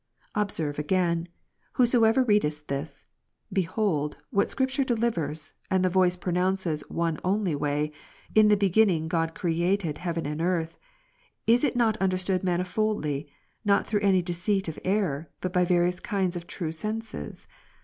Observe again, whosoever readest this; behold, what Scripture delivers, and the voice pronounces one only way. In the Beginning God created heaven and earth ; is it not understood manifoldly, not through any deceit of error, but by various kinds of true senses